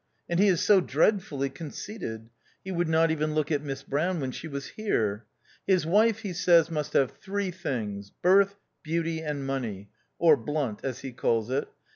And he is so dreadfully conceited ; he would not even look at Miss Brown when she was here. His wife, he says, must have three things — birth, beauty, and money (or blunt, as he calls it).